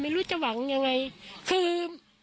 ไม่รู้จะหวังยังไงคือ